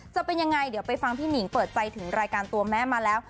จะเป็นยังไงเดี๋ยวไปฟังพี่หนิงเปิดใจถึงรายการตัวแม่มาแล้ว